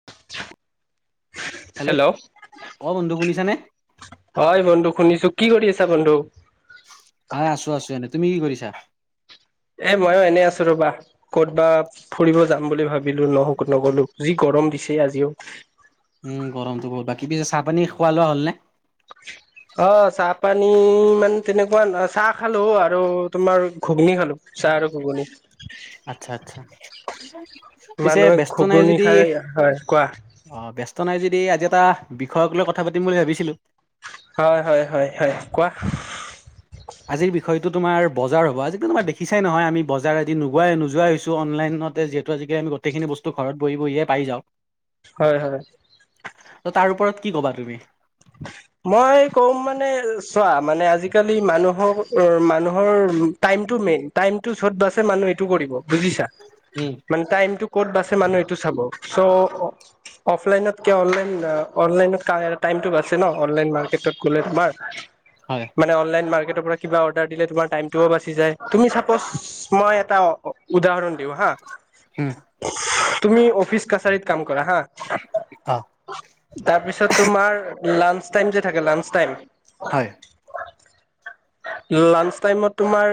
[unintelligible] Hello অ বন্ধু শুনিছানে হয় বন্ধু শুনিছো কি কৰি আছা বন্ধু আ আছো আছো এনেই তুমি কি কৰিছা এ ময়ো এনেই আছো ৰবা ক'ত বা ফুৰিব যাম বুলি ভাবিলো নহক নগ'লো যি গৰম দিছে আজিও উম গৰমতটো বহুতঁ বাকী পিছে চাহ পানী খোৱা লোৱা হ'ল নে অ চাহ পানী মানে তেনেকুৱা চাহ খালো আৰু তোমাৰ ঘুগুনি খালো চাহ আৰু ঘুগুনি আচ্ছা আচ্ছা পিছে মানুহে ব্যস্ত নাই ঘুগুনি যদি খাই হয় কোৱা অ ব্যস্ত নাই যদি আজি এটা বিষয়ক লৈ কথা পাতিম বুলি ভাবিছিলো হয় হয় হয় হয় কোৱা আজিৰ বিষয়টো তোমাৰ বজাৰ হ'ব আজিকি তোমাৰ দেখিছাই নহয় আমি বজাৰ আদি নোহোৱাই নোযোৱাাই হৈছো অনলাইন অনলাইনতে যিহেতু আজি কালি আমি গোটেইখিনি বস্তু ঘৰত বহি বহিয়ে পাই যাওঁ হয় হয় ত তাৰ ওপৰত কি ক'বা তুমি মই কম মানে চোৱা মানে আজিকালি মানুহৰ মানুহৰ টাইম টো মেইন টাইম টো চ'ত বাছে মানুহ টো কৰিব বুজিছা উম মানে টাইমতটো ক'ত বাছে মানুহ এইটো চাব চ' অ অফলাইনতকে অনলাইন অনলাইনত টাইমটো বাছে ন অনলাইন মাৰ্কেটত গ'লে তোমাৰ হয় মানে অনলাইন মাৰ্কেট পৰা কিবা অৰ্ডাৰ দিলে তোমাৰ টাইমটোও বাচি যায় তুমি চাপজ মই এটা উদাহৰণ দিও হা হুম তুমি অফিচ কাছাৰীত কাম কৰা হা অ তাৰপিছত তোমাৰ লাঞ্চ টাইম যে থাকে লাঞ্চ টাইম হয় লানঞ্চ টাইমত তোমাৰ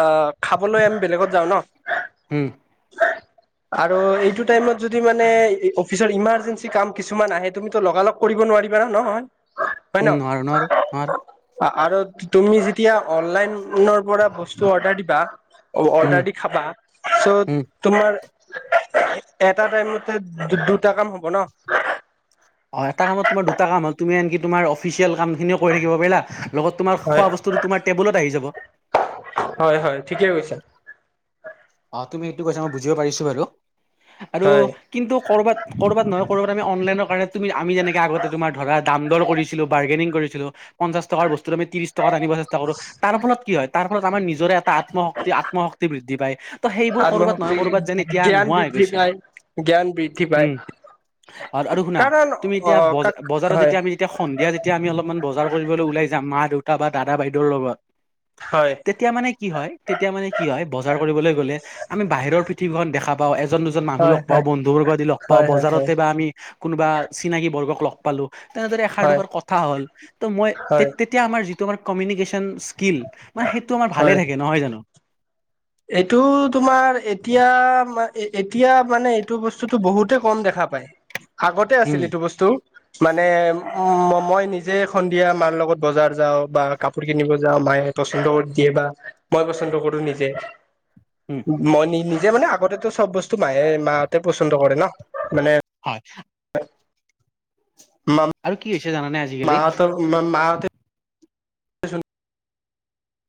অহ খাবলৈ আমি বেলেগত যাও ন উম আৰু এইটো টাইমত যদি মানে অফিচত ইমাৰ্জেঞ্চি কাম কিছুমান আহে তুমি লগালগ কৰিব নোৱাৰিবা ন নহয় [unintelligible] উম হয় নোৱাৰো-নোৱাৰো [unintelligible] আৰু তুমি যেতিয়া অনলাইনৰ [unintelligible] পৰা বস্তু অৰ্ডাৰ দিবা উম অৰ্ডাৰ দি খাবা চ' উম তোমাৰ এটা টাইমতে দু-দুটা কাম হ'ব ন অ এটা কামত তোমাৰ দুটা কাম হ'ল তুমি আনকি তোমাৰ অফিচিয়েল কাম কামখিনিও কৰি থাকিব পাৰিলা লগত তোমাৰ হয় খোৱা বস্তুটো তোমাৰ টেবুলত আহি যাব হয়-হয় ঠিকে কৈছা। অ তুমি এইটো কৈছা মই বুজিব পাৰিছো বাৰু আৰু হয় কিন্তু কৰবাত-কৰবাত নহয় ক'ৰবাত অলাইনৰ কাৰণে তুমি আমি যেনেকে আগতে তোমাৰ ধৰা দাম দৰ কৰিছিলো বাৰ্গেনিং কৰিছিলো পঞ্চাছ টকাৰ বস্তু টো আমি ত্ৰিছ টকাত আনিব চেষ্টা কৰো তাৰ ফলত হয় তাৰ ফল আমাৰ নিজৰে আত্মশক্তি-আত্মশক্তি বৃদ্ধি পায় ত সেইবোৰ কৰবাত নহয় আত্মশক্তি কৰবাত যেন এতিয়া জ্ঞান নোহোৱা হৈ বৃদ্ধি গৈছে পায় জ্ঞান বৃদ্ধি পায় হম অ আৰু শুনা কাৰণ তুমি অ এতিয়া কাক ব-বজাৰত হয় যেতিয়া আমি যেতিয়া সন্ধিয়া যেতিয়া আমি অলপমান বজাৰ কৰিবলৈ ওলাই মা-দেউতা বা দাদা-বাইদেউৰ লগত হয় তেতিয়া মানে কি হয় তেতিয়া মানে কি হয় বজাৰ কৰিবলৈ গ'লে আমি বাহিৰৰ পৃথিৱীখন দেখা পাও, এজন দুজন মানুহ হয় লগ পাও, হয় বন্ধু বৰ্গ আদি লগ পাও, হয় হয় হয় বজাৰতে বা আমি [unintelligible] কোনোবা চিনাকী বৰ্গক লগ পালো তেনেদৰে এষাৰ হয় দুষাৰ কথা হ'ল ত মই হয় তেতিয়া আমাৰ যিটো আমাৰ কমিউনিকেচন স্কিল মানে সেইটো আমাৰ হয় ভালে থাকে নহয় জানো এইটো তোমাৰ এতিয়া-এতিয়া মানে এইটো বস্তুটোতো বহুতে কম দেখা পাই আগতে আছিল উম এইটো বস্তু মানে উম মই নিজে সন্ধিয়া মাৰ লগত বজাৰ যাও বা কাপোৰ কিনিব যাও মা মায়ে পচন্দ কৰি দিয়ে বা মই পচন্দ কৰো নিজে উম মই নি-নিজে মানে আগতেটো চব বস্তু মায়ে মাহঁতে পচন্দ কৰে ন মানে হয় [inaudible] মা- আৰু কি হৈছে জানানে আজিকালি মাহঁতৰ মা- মাহঁতে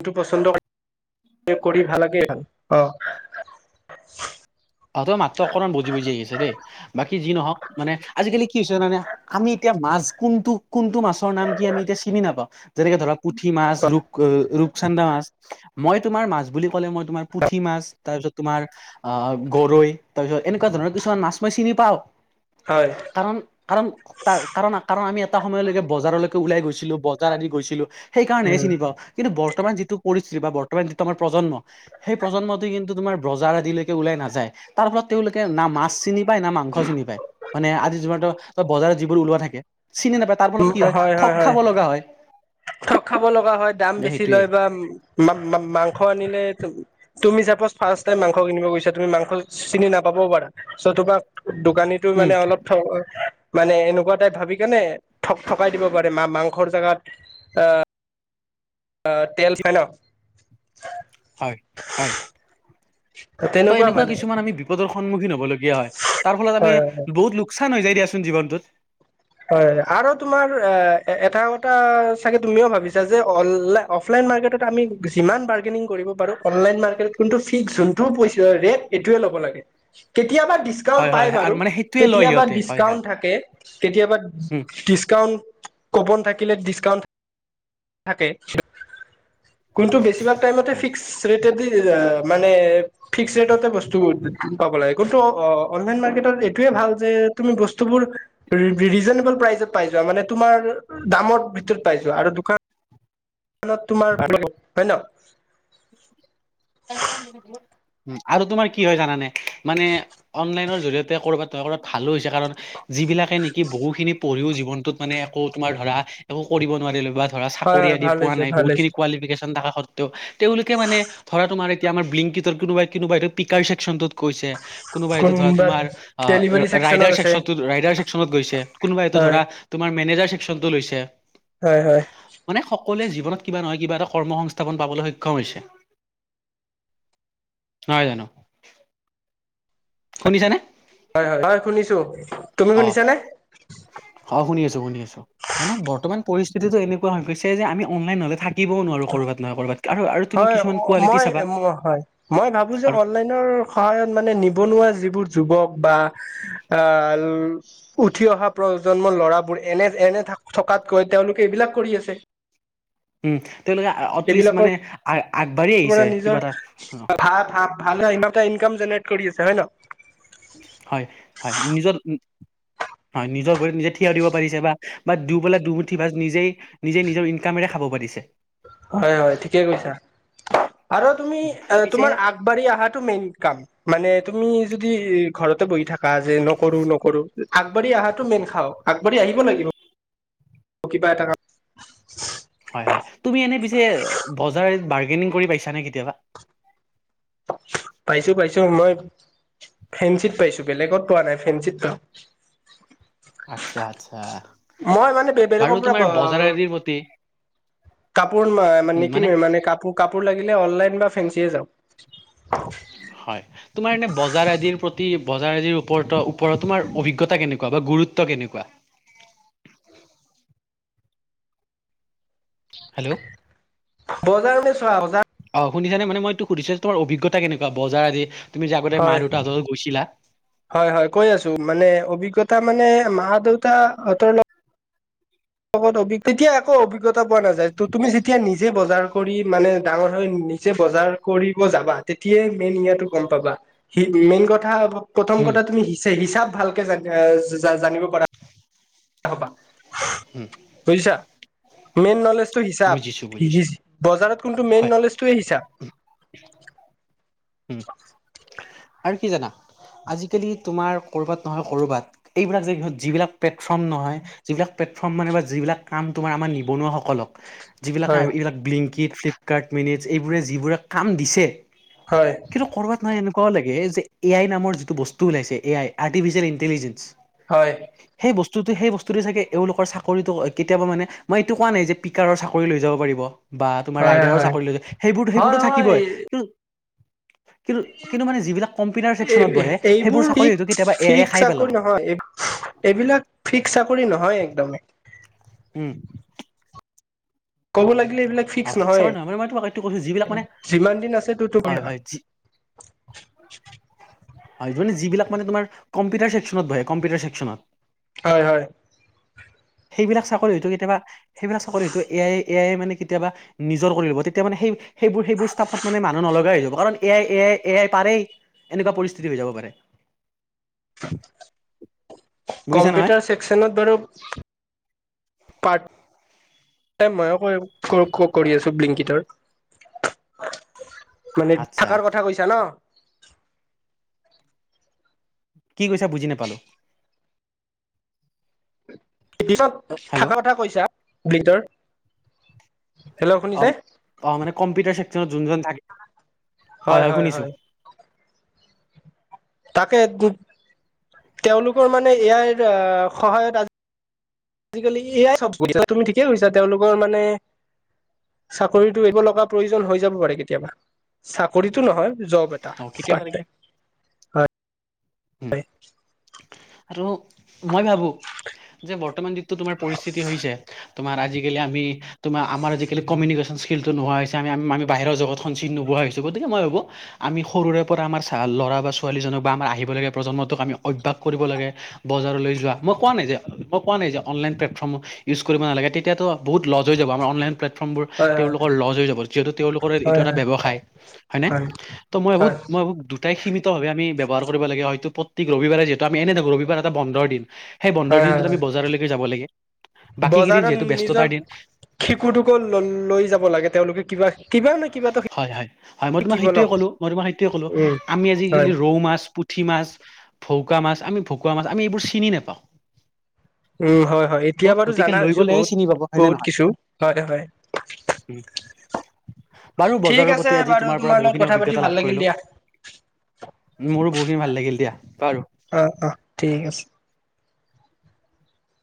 টো পচন্দ কৰি ভাল লাগে অহ তোৰ মাতটো অকণমান বুজি বুজি আহি আছে দেই বাকী যি নহওক মানে আজিকালি কি হৈছে জানানে আমি এতিয়া মাছ কোনটো কোনটো মাছৰ নাম কি আমি এতিয়া চিনি নাপাও যেনেকে ধৰক পুঠি মাছ ৰপ এ ৰূপ চান্দা মাছ মই তোমাৰ মাছ বুলি ক'লে মই তোমাৰ পুঠি মাছ তাৰপিছত তোমাৰ আহ গৰৈ তাৰ পিছত এনেকোৱা ধৰণৰ কিছুমান মাছ ম‌ই চিনি পাও হয় কাৰণ কাৰণ কাৰণ কাৰণ আমি এটা সময়লৈকে বজাৰলৈকে ওলাই গৈছিলো বজাৰ আদি গৈছিলো সেইকাৰণেহে চিনি পাওঁ কিন্তু বৰ বৰ্তমান যিটো পৰিস্থিতি বা বৰ্তমান যিটো তোমাৰ প্ৰজন্ম সেই প্ৰজন্মটো কিন্তু তোমাৰ বজাৰ আদিলৈকে ওলাই নাযায় তাৰ ফলত তেওঁলোকে না মাছ চিনি পায় না মাংস চিনি পায় মানে আজি যি বজাৰত যিবোৰ ওলোৱা থাকে চিনি নাপায় তাৰ ফলত কি হয় ঠগ খাব লগা হয়। ঠগ খাব লগা হয়, দাম বেছি সেইটোয়ে লয় বা মাংস আনিলে। তুমি চাপজ ফাৰ্ষ্ট টাইম মাংস কিনিব গৈছা তুমি মাংস চিনি নাপাবও পাৰা তোমাক। দোকানীতো উম মানে অলপ থ। মানে এনেকুৱা টাইপ ভাবি কেনে ঠগ ঠগাই দিব পাৰে মা-মা-মাংসৰ জোগাত আহ। তেটেলফনা। হয় হয় ত তেনেকুৱা এনেকুৱা মানে কিছুমান আমি বিপদৰ। সন্মুখীন হ'বলগীয়া হয় তাৰ ফলত আমি হয় হয় হয় বহুত লোকচান হৈ যায় দিয়াচোন জীৱনটোত। হয় আৰু তোমাৰ এটা কথা চাগে তুমিও ভাবিছা যেল অফলাইন। আমি যিমান বাৰ্গেনিং কৰিব পাৰো অনলাইন মাৰ্কেটতোনটো ফিক্স যোনটো ৰেট সেই টোৱেই। কেতিয়াবা ডিচকাচন হয় হয় পায় হয়। আৰু মানে সেইটোৱে লয় কেতিয়াবা সিহঁতে হয় ডিচকাচন হয় থাকে। উম ডিচকাউণ্ট ক'ব নথাকিলে ডিচকাউণ্ট থাকে। কোন বেছিভাগ টাইমতে হয় ফিস্ ৰেদি। মানে ফিক্স ৰেটতে বস্তু পাব লাগে কিন্তু অ অনলাইন মাৰ্কেটত এইটোয়ে ভাল যে নতুন বস্তুবোৰ ৰিজেনেবুল প্ৰাইজত পাই যোৱা মানে তোমাৰ দামত পাইছো আৰু দোকান। ত তোমাৰ হয় ন। উ আৰু তোমাৰ কি হয় জানানে মানে অনলাইনৰ জৰিয়তে কৰ'বাত কৰ'বাত ভালো হৈছে কাৰণ। যিবিলাকে নেকি বহু খিনি পঢ়িও জীৱনতত মানে একো তোমাৰ ধৰা একো কৰিব নোৱাৰিলো বা। ধৰা হয় চাকৰি হয় আদি ভাল পোৱা হৈছে নাই ভাল বহুতখিনি হৈছে কিফিকেশন থকা সত্বেওঁ তেওঁলোকে মানে। ধৰা তোাৰ এতিয়া আমাৰ বিংকটৰ কোনোব কোবা এইটো পিক কশ্যনটোত গৈছে। কোনোবা এইটো ধৰা তোমাৰ ডেলিভাৰী চেকচনত আছে ৰাইডাৰকন ৰাইডাৰ ছেকচনৰ গৈছে কোনোবা এইটো হয় ধৰা তমাৰ মেনেজাৰ। চেশ্যনটো লৈছে। হয় হয়। মানে সকলোৱে জীৱনত কিবা নহয় কিবা এটা কৰ্ম সংস্থাপন পাবলৈ সক্ষম হৈছে। নয় জানো শুনিছানে। হয় হয় হয় শুনিছো তুমি শুনিছ নে। অঁ শুনি আছো শুনি আছো মানে বৰ্তমান পৰিস্থিতিতটো এনেকুৱা হৈ গৈছে যে আমি অনলাইন হলে থাক। নোৱাৰো কৰ'বাত নহয় কৰবাত। হয় কিছুমান কোৱালিটি মই চাবা হয় মই ভাবো যে আৰু অনলাইনৰ সহায়ত মানে নিবনুৱা। যিবোৰ যুৱক। বা আহ উঠি অহা প্ৰজন্ম ল'ৰাবোৰ এনে এনে থকা। তাত গৈ তেওঁলোকে এইবিলাক কৰি আছে। উম। তেওঁলোকে এটলিষ্ট এইবিলাকৰ মানে আগবাঢ়ি পৰা আহিছে নিজৰ কিবা এটা। জেনেৰে কৰি আছে হয় ন। হয় হয় নিজৰ। হয় নিজৰ ঘৰিৰত নিজে থিয় দিব পাৰিছে বা দি পেলাই দুমুঠি বা নিজেই নিজে নিজৰ ইনকামেৰে খাব পাৰিছে। ছে। হয় হয় ঠিকে কৈছা। আৰু তুমি পিছে তোমাৰ আগবাঢ়ি অহাটো মেইন কাম মানে তুমি যদি। ঘৰতে বহি থকা যে নকৰো নকৰো আগবঢ়ি অহাটো মেইন খাওঁক আগবাঢ়ি আহিব লাগিব। কিবা এটা কাম। হয় হয় তুমি এনে পিছে বজাৰ। কৰি পাইছা নে কেতিয়াবা। পাইছো পাইছো মই ফেঞ্চিত পাইছো বেলেগত পোৱা নাই ফেঞ্চিত। আত্ছা আচ্ছা। মই মানে বাৰু বেলেগৰ তোমাৰ পৰা। বজাৰ আদিৰ প্ৰতি কাপোৰ নিকিনো মানে কাপোৰ কাপোৰ লাগিলে অনলাইন বা ফেঞ্চিয়ে যাওঁ। হয় তোমাৰ এনে বজাৰ আদিৰ প্ৰতি বজাৰ আদিৰ ওপৰ ওপৰত তোমাৰ অভিজ্ঞতা কেনেকুৱা বা গুৰুত্ব কেনেকুৱা [unintelligible] হেল্ল' বজাৰতে চোৱা বজাৰ অ শুনিছানে মই অভিজ্ঞতা কেনেকোৱা বজাৰ আদি। তুমি যে আগতে মা হয় দেউতাহঁতৰ লগত গৈছিলা হয় হয় কৈ আছো মানে অভিজ্ঞতা মানে মা দেউতা অত তেতিয়া একো অভিজ্ঞতা পোৱা নাযায় ত তুমি যেতিয়া নিজে বজাৰ কৰি মানে ডাঙৰ হৈ নিজে বজাৰ কৰিব যাবা তেতিয়াই মেইন ইয়াতো গম পাবা সি মেইন কথা প্ৰথম উম কথা তুমিচ হিচাপ ভালকে জান জানিব পাৰা হবা উম বুজিছা মেইন নলেজ হিচাপ বুজিছো বুজিছো বজাৰত কোনটো মেইন হয় নলেজোৱে হিচাপ উম ব আৰু কি জানা? আজিকালি তোমাৰ কৰ'বাত নহয় কৰ'বাত এইবিলাকত যিবিলাক প্লেটফৰ্ম নহয় যিবিলাক। ফৰ্ম মানে যিবিলাক কাম তোমাৰ আমাৰ নিবনুৱাসকলক। যিবিলাক হয় এইবিলাক ব্লিংকিট ফ্লিপকাৰ্ট মেনেট এইবোৰে যিবোৰে কাম দিছে। হয় কিন্তু কৰ'ৰবাত নহ এনেুৱাও লাগে যে এ আই নামৰ যিটো বস্তু ওলাইছে এ আই আৰ্টিফিচিয়েল ইণ্টেলিজেঞ্চ হয়। বস্তু সেই বস্তু চাগে এওঁলোকৰ চাকৰিটো কেতিয়াবা মানে মই এইটো কোৱা নাই যে পিকাৰৰ চাকৰি লৈ যাব পাৰিব। বা তোমাৰ হয় ৰাইডাৰো হয় চাকৰি লৈ যায় সেইবোৰতো সেইবোৰতো হয় হয় হয় থাকিবই কি কিন্তু কিন্তু মানে যিবিলাক কম্পিউটাৰ ছেকচনত বহে সেইবোৰ এইবোৰ চাকৰি হয়তো পিক কেতিয়াবা এ আইয়ে ফিক খাই পেলাব চাকৰি নহয় এইবিলাক ফিক্স চাকৰি নহয় একদমেই উম। ক'ব লাগে। এইবিলাক অ ফিক্স ফিক্সাৰ নহয় মানে মই তোমাক এইটো কৈছো যিবিলাক মানে যিমান দিন আছে তত হয় কৰিবা। হয় যি [inaudible] হয় মানে যিবিলাক মানে তোমাৰ কম্পিটাৰ চেকশ্যনত বহে কম্পিউটাৰ চেক্নত হয় হয়। সেইবিলাক চাকৰি হয়তো কেতিয়াবা সেইবিলাক চাকৰি হয়তো এ আই এ আই মানে তেতিয়াবা নিজৰ কৰি লব তেতিয়া মানে সেই সেইবোৰ সেইোৰফত মানে মানুহ নলগাই হৈ যাব। কাৰণ এয়াই এয়াই এয়াই পাৰেই এনেকুৱা পৰিস্থিতি হৈ যাব পাৰে। বুজিছা নহয় কম্পিউটাৰ ছেকচনত বাৰু পাত এ মই কৰি আছো বিলিংকিতৰ মানে আচ্ছা থকাৰ কথা কৈছা ন। কি কৈছা বুজি নোপালো। পিছত থকা কথা কৈছা বৃতৰ অ অ মানে কম্পিউটাৰ চেকনত যোন থ হয় হয় শুনিছো। তাকে তেওঁলোকৰ মানে ইয়াৰ সহায়ত আজি আজিকালি এয়াই চবছা তুমি ঠিকেই কৈছা তেওঁলোকৰ মানে চাকৰিতটো এব লগা প্ৰয়োজন হৈ যাব পাৰে কেতিয়াবা চাকৰিতটো নহয়। জব এটা অ কেতিয়াবা পাৰট দেখি- টাইম। উম আৰু মই ভাবো। যে বৰ্তমান যিটো তমাৰ পৰিস্থিতি তোমাৰ আজালি আমি তোমাৰ আমাৰ আজি কালি কমিনিকেচন স্কিলটো নোহোৱা হৈছে আম আমি বাহিৰৰ জগত সঞ্চিনিত নোবোৱা হৈছো গতিক মই ভো আমি সৰুৰে পৰা আম চাহ ল'ৰা বা ছোৱালীজনক আম আহিব। ব লগীয়া প্ৰজন্ম টোক আমি অভ্যাস কৰিব লে বজাৰলৈ যোৱা, মই কোৱা নাই যে অণ লাইন প্লেটফম ইউচ কৰিব নালাগে, তেতিয়া ত বহুত লজ হৈ যাব, আমৰ অন লাইন প্লেটফৰ্মবোৰ হয় তেওঁলোকৰ লজ হৈ যাব যিহেতু তেওঁলোকৰ এইটো হয় হয় এটা ব্যৱসায়, হয়নে। হয় ত' মই ভাবো হয় মই দুটাই সীমিতভাৱে আমি ব্যৱহাৰ কৰিব লাগ হয়ত প্ৰতেক ৰবিবাৰে যিহেতু আমি এনে থাকো। ৰবিবাৰ এটা বন্ধৰ দিন। সেই বন্ধৰ হয় দিনটোত আমি হয় বজাৰলৈকে যাব লাগে। বাকী কেইদিন বজাৰত যিহেতু নিজৰ ব্যস্ততাৰ দিন শিশু টোকো ল- লৈ যাব লাগে তেওঁলোকে কিবা কিবা ন কিবা এটা হয় হয় মই তোমাক শিকিব ন সেইটোৱে কলো মই তোমাক সেইটো কলো উম আমি হয় আজিকালি ৰৌ মাছ পুঠি মাছ ভৌকা মাছ আমি ভকুৱা মাছ আমি এইবোৰ চিনি নাপাওঁ উম হয় -হয় এতিয়া ত' বাৰু গতিকে জানা লৈ হৈছো গ'লেহে বহুত- বহুত কিছু হয় হয়। উম বাৰু ঠিক বজাৰৰ আছে প্ৰতি আজি বাৰু তোমাৰ পৰা লগত বহুখিনি কথা পাতি অভিজ্ঞতা ভাল লাভ লাগিল কৰিলো। দিয়া মোৰো বহুতখিনি ভাল লাগিল দিয়া বাৰু। অ অ ঠিক আছে